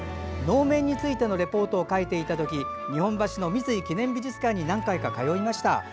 能面についてのレポートを書いていたとき日本橋の三井記念美術館に何回か通いました。